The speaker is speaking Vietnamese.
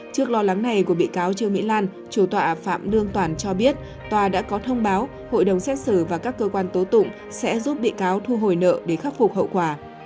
trước lo lắng này của bị cáo trương mỹ lan chủ tọa phạm lương toản cho biết tòa đã có thông báo hội đồng xét xử và các cơ quan tố tụng sẽ giúp bị cáo thu hồi nợ để khắc phục hậu quả